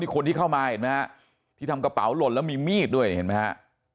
คนที่เข้ามาเห็นไหมฮะที่ทำกระเป๋าหล่นแล้วมีมีดด้วยเห็นไหมฮะ